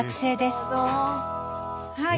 はい。